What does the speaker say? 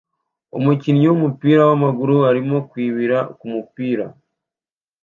umukinnyi wumupira wamaguru arimo kwibira kumupira